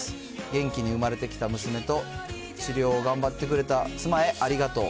元気に産まれてきた娘と、治療を頑張ってくれた妻へありがとう。